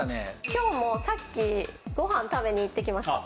今日もさっきごはん食べに行ってきました